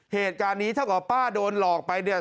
เหตุการณ์นี้เท่ากับป้าโดนหลอกไปเนี่ย